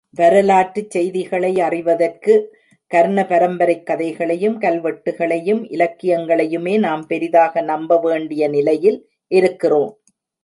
வரலாற்றுச் செய்திகளை அறிவதற்கு கர்ணபரம்பரைக் கதைகளையும், கல் வெட்டுகளையும், இலக்கியங்களையுமே நாம் பெரிதாக நம்பவேண்டிய நிலையில் இருக்கிறோம்.